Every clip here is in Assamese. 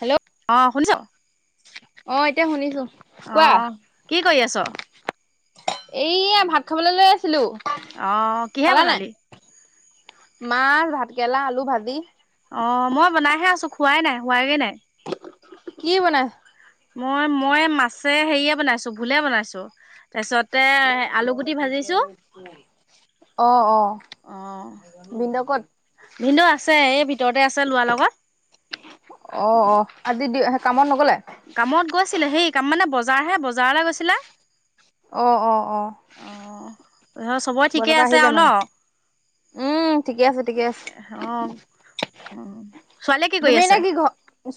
হেল্ল' অ' শুনিছ? অ' এতিয়া শুনিছো। কোৱা অ'কি কৰি আছ? এইয়া ভাত খাবলৈ লৈ আছিলো। অ কিহে খালা নাই? বনালি মাছ, ভাত-কেৰেলা, আলু ভাজি। অ' মই বনাইহে আছো, খোৱাই নাই, হোৱাগেই নাই। কি বনাইছে? মই, মই মাছে হেৰিয়ে বনাইছো, ভুলে বনাইছো। তাৰপিছতে আলুগুটি ভাজিছোঁ। অ', অ'ভিনদেউ কত? ভিনদেউ আছে এই ভিতৰতে আছে ল'ৰাৰ লগত। অ' অ আজি দি কামত নগলে? কামত গৈছিলে। সেই কাম মানে বজাৰ হে বজাৰলে গৈছিলে। অ অ অ অহ' ধৰ চবেই বজাৰ ঠিকে পৰা আছে আহিলে আৰু ন? মানে উম ঠিকে আছে ঠিকে আছে। অ' ছোৱালীয়ে কি কৰি তুমি এনে আছে? ঘ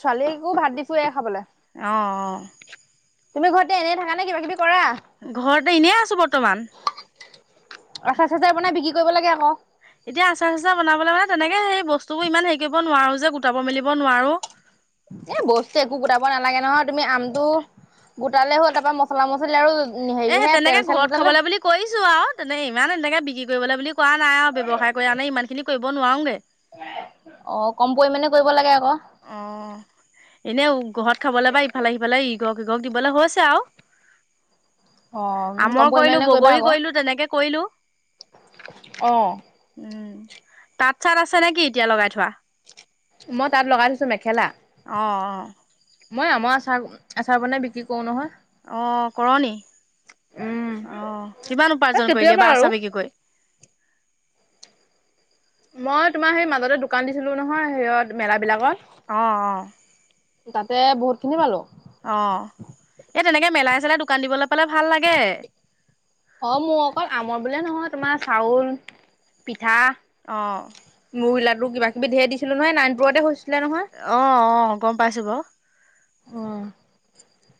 ছোৱালীকো ভাত দিছোৱে খাবলে অ অ তুমি ঘৰতে এনেই থাকা নে কিবা কিবি কৰা ঘৰতে এনেই আছো বৰ্ত আচাৰ চজাৰ বনাই বিক্ৰী কৰিব লাগে আক এতিয়া আচাৰ চচাৰ বনাবলৈ মানে তেনেকে সেই বস্তুবোৰ ইমান হেৰি কৰিব নোৱাৰো যে গোটাব মেলিব নোৱাৰো। এ বস্তু একো গোটাব নালাগে নহয় তুমি আমটো গোটালে হ'ল তাৰ পৰা মছলা মছলি আৰু এ হেৰিহে তেল তেনেকে চেল ঘৰত গোটালে খাবলৈ বুলি কৈছো আৰু তেনেকে ইমান এনেকে বিক্ৰী কৰিবলৈ বুলি কৰা নাই আৰু ব্যৱসায় কৰি আমি ইমানখিনি কৰিব নোৱাৰোঁগে অ কম পৰিমাণে কৰিব লাগে আক। এনেই ঘৰত খাবলৈ বা ইফালে সিফালে ইঘক ইঘক দিবলে হৈছে আও অ কম আমৰ কৰিলো পৰিমাণে কৰিবা বগৰী আকৌ কৰিলো তেনেকে কৰিলো। অ উম তাত চাত আছে নেকি এতিয়া লগাই থোৱা। মই তাত লগাই থৈছো মেখেলা। অ অ। মই আমাৰ আচাৰ আচাৰ বনাই বিক্ৰী কৰো নহয়। অ কৰ নি। উম অহ কিমান এ উপাৰ্জন কৰিলে কেতিয়াবা এবাৰ আৰু আছা বিক্ৰি কৰি। মই তোমাৰ সেই মাজতে দোকান দিছিলো নহয় সেয়ঁত মেলা অ' অ' বিলাকত। তাতে বহুত খিনি পালো। অ এ তেনেকে মেলাই চেলাই দোকান দিবলে অ মোৰ অকল আমৰ বোলে নহয় তোমাৰ চাউল পি পিঠা, অ', মুড়ি লাড়ু কিবা কিবি ধেই দিছিলো নহয় নাইনপুৰতে হৈছো। অ অ গম পাইছো বাৰু। অ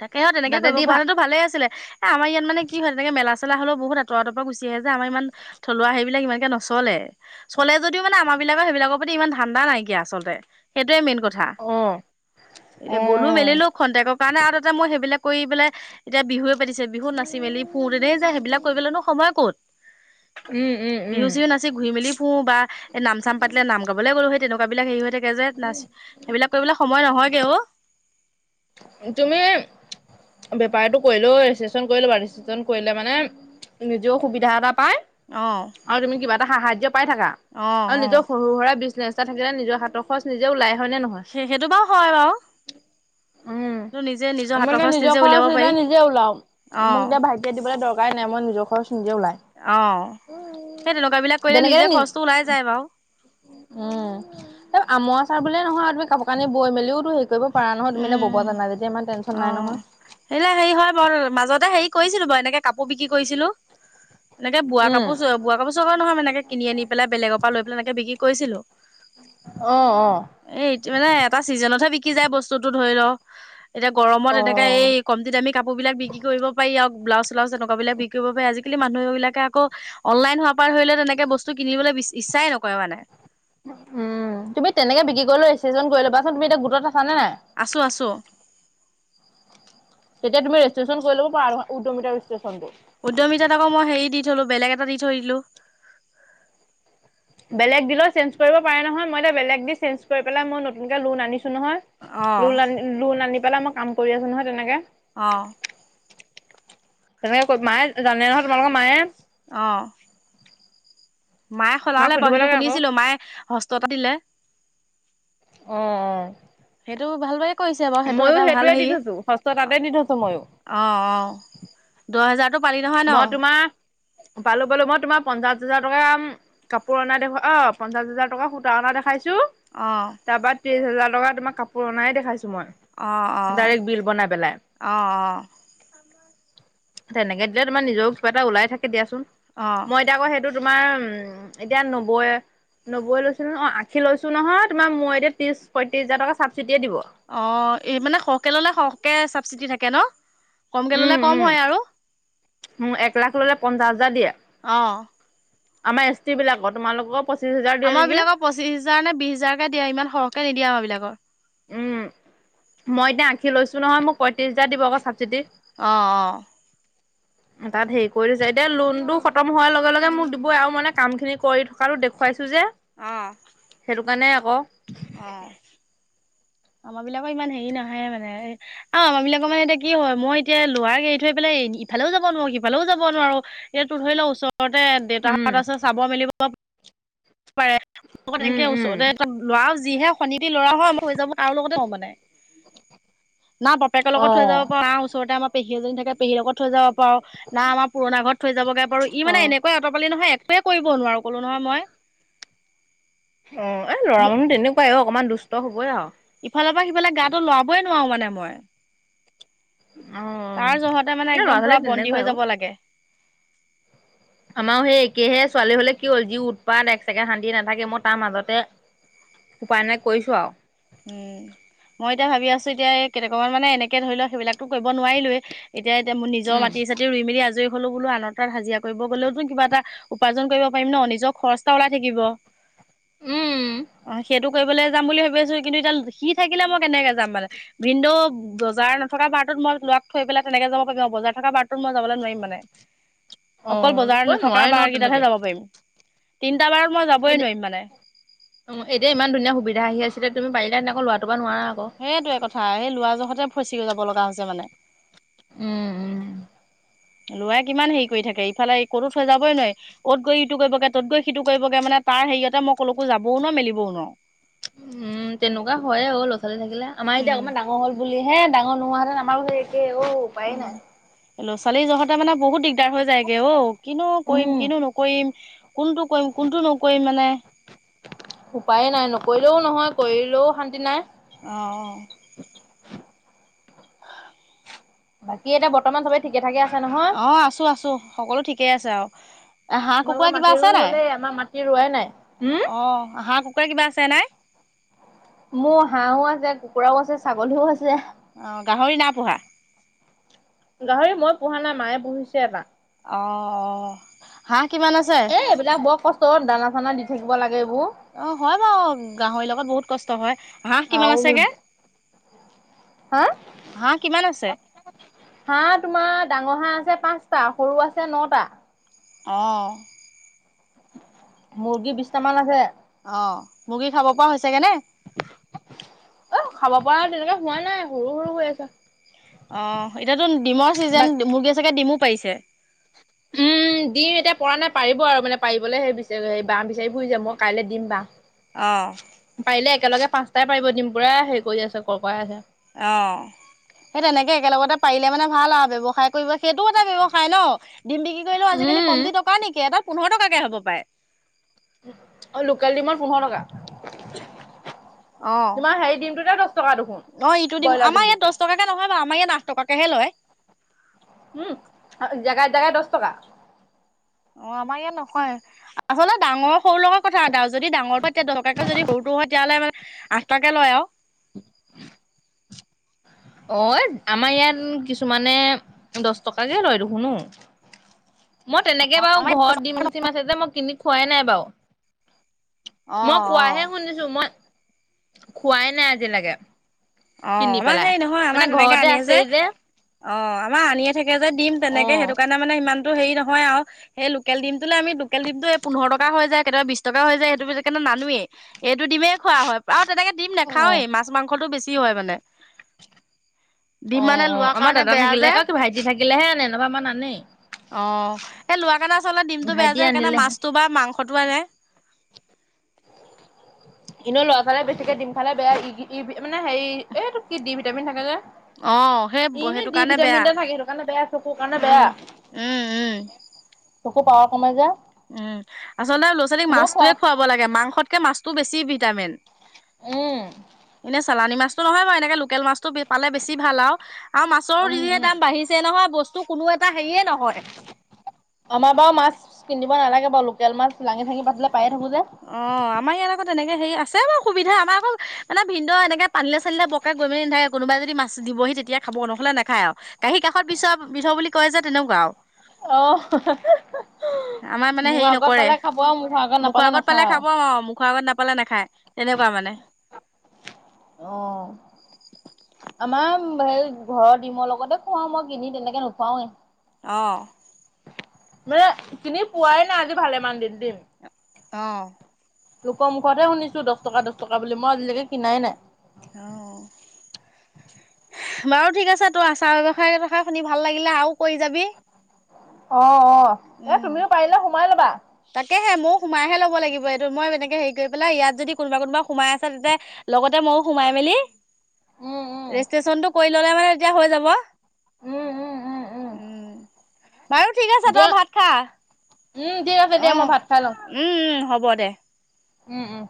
তাকে অ তেনেকে কৰিব পৰা হ'লে তো ভালে আছিলে এ আমাৰ ইয়াত মানে কি হয় তেনেকে মেলা চেলা হ'লেও বহুত আতৰত আতৰত পৰা গুচি আহে যে আমাৰ ইমান থলুৱা হেইবিলাক ইমানকে নচলে চলে যদি মানে আমাৰ পিনে বিলাক সেইবিলাকৰ প্ৰতি ইমান ধান্দা নাইকিয় আলতে সেই মেইন কথা, অ এ অ গ'লো মেলিলেও খন্তেকৰ কাৰণে তাতে মই সেইবিলাক কৰি পেলাই এতিয়া বিহুৱে পাতিছে বিহু নাচি মেলি ফুতেনেই যায় সেইবিলাক কৰিবলেনো সময় ক'ত। উম উম উম বিহু চিহু নাচি ঘুৰি মেলি ফু বা নাম চাম পাতিলে নাম গাবলৈ গ'লো সেই তেনেকুৱা বিলাক হেৰি হৈ থাকে যে, নাচ সেইবিলাক কৰিবলৈ সময় নহয়গেও অ'। তুমি। বেপাৰটো কৰিলো ৰেজিষ্ট্ৰেশচন কৰিলো ৰেজিষ্ট্ৰেশ্যন কৰিলে মানে, নিজেও সুবিধা এটা। অ', আৰু তুমি কিবা এটা সাহায্য পাই থাকা, অ', আৰু অ'। নিজৰ সৰু সুৰা বিগনেচ থাকিলে নিজৰ হাতৰচ নিজে ওলাই। হয় নে নহয়? সেই সেইটো বাও হয় বাও উম আমালোকে নিজৰ নিজে উলিয়াব খৰচ এতিয়া পাৰি নিজে ওলাও। মোক অঁ এতিয়া ভাইটিয়ে দিবলৈ দৰকাৰ নাই মই নিজৰ ঘৰৰ নিজে ওলাই। অঁ সেই তেনেকুৱা বিলাক কৰিলে তেনেকে নিজে নি খৰচটো ওলাই যায় বাওঁ উম তাৰ আমৰ আ চাৰ বুললে নহয় তুমি কাপোৰ কানি বৈ মেলিওো হেৰি কৰিব পৰা নহয় তুমি উম, জানা যেতিয়া ইমান টেনচন নাই অৱ নহয়। সেইবিলাক হেৰি হয় বাও মাজতে হেৰি। কৰিছিলো বাৰু এনেকে কাপোৰ বিক্ৰী কৰিছিলো। এনেকে বোৱা উম, কাপোৰ চ বোৱা কাপোৰ চাগৰ নহয় মানে কিনি আনি পেলাই বেলেগৰ পৰা লৈ পেলাই এনেকে বিক্ৰী কৰিছিলো। অ', অ', এইটো মানে এটা চিজনতহে বি বিকি যায় বস্তুতো ধৰি লওক, এতিয়া গৰমত এনেকা অ'। এই কমতি দামি কাপোৰ বিলাক বিক্ৰী কৰিব পাৰি আও ব্লাজ চেলাওজ তেনেক বিলাক বিক কৰিব পাৰে আজি কালি মানুহ বিলাকে আকৌ, অনলাইন হোৱাৰ পৰা ধৰি ল তেনেকে বস্তু কিনিবলৈ ইচ্ছাই নকৰে মানে। উম তুমি তেনেকে বিক্ৰী কৰিলো ৰেষ্টছন কৰি ল'বাচোন তুমি এতিয়া গোটত আছা নে নাই? আছো আছো। তেতিয়া তুমি ৰেষ্টচন কৰি ল'ব পাৰ উদমিতা ৰেষ্টচনটো উদ্যমিতাত আকৌ মই হেৰি দি থলো বেলেগ এটা দি থৈ দিলোঁ বেলেগ দিলো চেঞ্জ কৰিব পাৰে নহয়, মই এতিয়া বেলেগ দি চেঞ্জ কৰি পেলায় নতুন কে লোন আনিছোঁ অঁ নহয় লোন আনি পেলাই মই কাম কৰি আছো নহয় তেনেকে অ তেনেকে কৰি মায়ে জানে নহয় তোমালোকৰ মায়ে অঁ মায়ে মাক সলালে সুধিব বাৰু সেইটো লাগে আকৌ। অ', শুনিছিলো মায়ে হস্ততা দিলে। অৱ অৱ এইটো ভাল কি কৰিছে বাওঁ সেইটো এটা ভাল থৈছো ষষ্ঠ তাতে দি থৈছো ময়ো সেই পালি নহয় ন। মই তোমাৰ পালো পালো মই তোমাৰ পঞ্চাশ হাজাৰ টকা ওম কাপোৰ অনা দেখুৱা অ পঞ্চা হাজাৰ টকা সূতা অনা দেখাইছো অঁ তাৰ পৰা ত্ৰিশ হাজাৰ টকা তোমাৰ কাপোৰ অনাই দেখাইছে [unintelligible] মই অঁ অঁ ডাইৰেক্ বিল বনাই পেলাই অঁ অঁ তেনেকে দিলে তোমাৰ নিজৰো কিবা এটা ওলাই থাকে দিয়াচোন, অঁ মই এতিয়া আকৌ এইটো তোমাৰ উম, এতিয়া নব্বৈ নব্বৈ লৈ ন অ আশী লৈছো নহয় তোমাৰ মই এতিয়া ত্ৰিচ পঁয়ত্ৰিশ হাজাৰ টকা চাবচিডিয়ে দিব অ এই মানে সৰহকে ল'লে সৰহকে চাবচিটি থাকে ন কমকে ললে কম হয় আৰু মোক এক লাখ ললে পঞ্চাশ হাজাৰ দিয়ে। অৱ আমাৰ এছ টি বিলাকৰ তোমালোকৰ পচ আমাৰ বিলাকক পঁচিশ হোজাৰ নে বিশ হাজাৰকে দিয়ে ইমান সৰহকে নিদিয়ে আমাৰ বিলাকৰ উম মই এতিয়া আশীলৈছো নহয় মোক পঁয়ত্ৰিশ হাজাৰ দিব আক চাবচিডিটিত অৱ অৱ তাত সেই কৈ দিছে এতিয়া লোনতো খতম হোৱাৰ লগে লগে মোক দিবই আৰু মানে কাম খিনি কৰি থকাটো দেখুৱাইছো। চ যে সেইটো কাৰণে আক অ আমাৰ বিলাকৰ ইমান হেৰি নহয়ে মানে এ অ আমাৰ বিলাকৰ মানে এতিয়া কি হয় মই এতিয়া লৰা এৰি থৈ পেলাই। এ ইফালেও যাব নোৱাৰো সিফালেও যাব নোৱাৰো ইয়াতো ধৰি লও ওচ- ওচৰতে উম দেউতাহঁত আছে চাব মেলিব পাৰে। অ উম তেনেকে উম ওচৰতে এইখন লৰাও যিহে শনটি ল'ৰা হয় মই হৈ যাব। কাৰো লগতে থও মানে না বাপেকৰ অ লগত থৈ যাব পাৰোঁ না ওচৰতে আমাৰ পেহী এজনী থাকে পেহীৰ লগত থৈ যাব পাৰো না আমাৰ পুৰণা ঘৰত থৈ যাবগে পাৰোঁ ই অ মানে এনেকা অঁতপালি নহয় একোৱে কৰিব নোৱাৰো কলো নহয় মই। অ এই ল'ৰা মানুহ তেনেকুৱাই অকনমান দুষ্ট হবই আও। ইফালৰ পৰা সিফালে গাটো লৰাবই নোৱাৰো মানে মই। অ তাৰ জহতে মানে এ ল'ৰা একদম ছোৱালী পুৰা বন্দী তেনেকুৱাই হৈ অ যাব লাগে। আমাৰো সেই একেহে ছোৱালী হলে কি হ'ল যি উৎপাত এক ছেকেণ্ড শান্তি নাথাকে মই তাৰ মাজতে উপায় নাই কৰিছো আও। উম মই এতিয়া ভাবি আছো এতিয়া কেটকা মান মানে এনেকে ধৰি লোৱা সেইবিলাকতো কৰিব নোৱাৰিলোৱেই এতিয়া নিজৰ উম মাটি চাতি ৰুই মেলি আজৰি হলোঁ বোলো আনৰ তাত হাজিৰা কৰিব গ'লেওতো কিবা এটা উপাৰ্জন কৰিব পাৰিম ন নিজৰ খৰচ এটা ওলাই থাকিব। উম অ সেইটো কৰিবলৈ যাম বুলি ভাবি আছোঁ। কিন্তু এতিয়া সি থাকিলে মই কেনেকে যাম মানে ভিনন্দৌ বজাৰ নথকা বাৰ টোত মই লৰাক থৈ পেলাই তেনেকে যাব বজাৰ থকা বাৰটোত মই যাব নোৱাৰিম মানে অ অকল বজাৰত কৈ নথকা নোৱাৰে বা ন কেইটাতহে তেনেকে যাব পাৰিম। তিনিটা বাৰত মই যাবই এনে নোৱাৰিম মানে এতিয়া ইমান ধুনীয়া সুবিধা আহি আছিলে তুমি পাৰিলা হলে ক লৰা টোক। সেইটোৱে কথা এই লৰা জহতে ফচি যাব লগা হৈছে মানে। উম উম। লৰাই কিমান হেৰি কৰি থাকে ইফালে ক'তো থৈ যাবই নহয় অত গৈ ইটো কৰিব গে তত গৈ সিটো কৰিব গে মানে। তাৰ হেৰিয়তে মই ক'লেকো যাবও নোৱাও মেলিবও নোৱাও। উম তেনেকুৱা হয় অ ল'ৰা ছোৱালী থাকিলে আমাৰ এতিয়া উম। অকমান ডাঙৰ হ'ল বুলিহে। ডাঙৰ নোহোৱা হেঁতেন আমাৰ একে ঔ উপায়ে নাই। লৰা ছোৱালী জহতে মানে বহুত দিগদাৰ হৈ যায় গে অঔ কিনো কৰিম উম। কিনো নকৰিম কোনটো কৰিম। কোনটো নকৰিম মানে। উপায়ে নাই নকৰিলেও নহয় কৰিলেও শান্তি নাই। অ। বাকী এটা বৰ্তমান সবেই ঠিকে। থাকে আছে নহয় অ আছো আছো সকলো ঠিকেই আছে আও। হাঁহ কুকুৰা তোমালোকৰ কিবা মাটি আছে ৰুই নাই। হ'লেই আমাৰ মাটি ৰোৱাই নাই। উম অ হাঁহ কুকুৰা কিবা আছ- ছে নাই। মোৰ হাঁহো আছে কুকুৰাও আছে ছাগলীও আছে। অ গাহৰি নাই পোহা। গাহৰি মই পোহা নাই মায়ে পুহিছে এটা। অ-অ হাঁহ কিমান আছে। চত দানা চানা দি থাকিব লাগে এইবো। অ হয় বাৰু গাহৰিৰ লগত বহুত কষ্ট হয় হাঁহ কিমান আৰু আছে গে। হা- আছে? হা তোমাৰ ডা- ঙ হা আছে পাঁচটা সৰু আছে নটা। অ। মুৰ্গী বিশটা মান আছে। অ মুৰ্গী খাব পৰা হৈছেগে নে। অ খাব পৰা তেনেকে হোৱা নাই সৰু সৰু হৈ আছে। অ এতিয়াতো ডিমৰ বাট ছিজন মুৰ্গী চাগে ডিমো পাৰিছে। উম দিম এতিয়া পৰা নাই পাৰিব আৰু মানে পাৰিবলৈ সেই বি বাহ বিচাৰি ফুৰিছে মই কাইলৈ দিম অ'। বাহ। পাৰিলে একেলগে পাঁচটাই পাৰিব দিম পুৰা হেৰি কৰি আছে ককাই আছে। অ। সেই তেনেকে একেলগতে পাৰিলে মানে ভাল আৰু ব্যৱসায় কৰিব সেইটো এটা ব্যৱসায় ন। ডিম বিক্ৰী কৰিলেও আজিকালি উম কম দি টকা নেকি এটা পোন্ধৰ টকাকে হ'ব পাৰে। অ লোকেল ডিমত পোন্ধৰ টকা। [inaudible] অ- তোমাৰ হেৰি ডিমটোতে দহ টকা দেখোন অ ইটো দিম ব্ৰইলাৰ আমাৰ ইয়াত ডিমটোতে দছ টকাকে নহয়। আমাৰ ইয়াত আাঠ টকাকেহে লয়। উম জেগাই জেগাই দছ টকা। অ আমাৰ ইয়াত নহয় আচলতে ডাঙৰ। সৰু লগত কথা এটাা যদি ডাৰটো এতিয়া দৰকাকে যদি সৰুটো হয়তেতিয়াহলে মানে। আস তাকে লয় আও। অ আমাৰ ইয়াত কিছুমানে দছ টকাকে লয় দেখুনো অ। মই তেনেকে বাৰু ঘৰত দিম চিম আছে যে মই কিনি খোৱাই নাই বাৰু। মই অ', অ'। কোৱাহে শুনিছো মই খোৱাই নাই আজিলেকে। অ আমাৰ হেৰি নহয় আমাৰ তেনেকে আনিয়ে যে। অ আমাৰ আনিয়ে থাকে যে দিম অ তেনেকে সেইটো কাৰণে মানে ইমান। হেৰি নহয় আৰু সেই লোকেলিমটোলে আমি লোকেল ডিমটো এই পোন্ধৰ টকা হৈ যায় কেতিয়াবা বিচ টকা হৈ যায় সেইটো। [unintelligible] নানোৱেই এইটো দিমেই খোৱা হয় আৰু তেনেকে দিম অ নাখাওৱেই মাছ মাংসটো বেছি হয় মানে। ডিম অ মানে অ লোৱাৰ আমাৰ কাৰণে দাদা বেয়া থাকিলে যে অ কিবা ভাইটি থাকিলেহে আনেেনবা আমাৰ নানেই। অ এই লৰা কাৰে আচলতে ডিমতটো বেয়া ভাইটি যে সেইকাৰণে আনিলেহে মাছটো বা মাংস। পটুৱাৰে। এনে ল'ৰা-ছোৱালীয়ে বেছিকে দিম খালে বেয়া [unintelligible] মানে হেৰি এইটোক কি দি ভিটামিন থাকে যে? অ সেই ই নে সেইটো দি কাৰণে বেয়া ভিটামিন এটা থাকে সেইটো কাৰণে বেয়া, চকুৰ কাৰণে বেয়া। উম-উম! চকুৰ পাৱাৰ কমে যে। উম আচলতে ল'ৰা-ছোৱালীক মই খোৱা মাছটোৱে খুৱাব লাগে, মাংসতকে মাছটো বেছি ভিটামিন। উম এনে চালানী মাছটো নহয় বাৰু এনেকে লোকেল মাছ [unintelligible] পালে বেছি ভাল আও আৰু মাছৰো উম যিহে উম দাম বাঢ়িছে নহয়, বস্তু কোনো এটা হেৰিয়ে নহয়। [inaudible] আমাৰ বাৰু মাছ কিনিব নালাগে লোকেল মাছ লাঙি-থাঙি পা [unintelligible] অ আমাৰ ইয়াত আকৌ তেনেকে হেৰি আছে বাৰু সুবিধা আমাৰ অকল মানে ভিন্ন এনেক পানী-চানিলে বৰকে গৈ মেলি নাথাকে, কোনোবাই যদি মাছ দি দিবহি তেতিয়া খাব নহলে নেখায় আৰু কাঁহীৰ কাষত বিচৰা বিধৰ বুলি কয় যে তেনেকুৱা আৰু। আহ [unintelligible] আমাৰ মানে হেৰি নকৰে মুখৰ নাপালে আগত নাখায় পালে আৰু খাব আও, মুখৰ আগত নাপালে নাখায় তেনেকুৱা মানে। অ! আমাৰ [unintelligible] হেৰি ঘৰৰ ডিমৰ লগতে খুৱাওঁ মই, কিনি তেনেকে নোখুৱাওৱেই। অঁ! মানে কিনি পোৱাই নাই আজি ভালেমান দিন দিম। অঁ! লোকৰ মুখতহে শুনিছো দহ টকা, দহ টকা বুলি মই আজিলৈকে কিনাই নাই। অঁ! [unintelligible] বাৰু ঠিক আছে, তোৰ আচাৰ ব্যৱসায় কথা শুনি ভাল লাগিলে আৰু কৰি যাবি। অ-অ! এ উম। তুমিও পাৰিলে সোমাই ল'বা। তাকেহে ময়ো সোমাইহে ল'ব লাগিব এইটো মই এনেকে হেৰি কৰি পেলাই ইয়াত যদি কোনোবা-কোনোবা সোমাই আছে তেতিয়া লগতে মইয়ো সোমাই মেলি উম, উম, ৰেজিষ্ট্ৰেশচনটো কৰি ললে মানে এতিয়া হৈ যাব। উম, উম, উম, [unintelligible] উম! বাৰু ঠিক আছে দিয়া তই ভাত খা। উম, ঠিক আছে দিয়া মই আহ! উম-উম হ'ব দে। উম-উম!